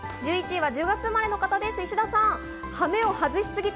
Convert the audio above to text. １１位は１０月生まれの方です、石田さん。